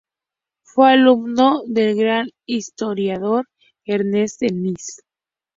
Fue alumno del gran historiador Ernest Denis.